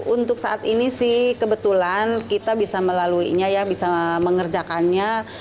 untuk saat ini kebetulan kita bisa melaluinya bisa mengerjakannya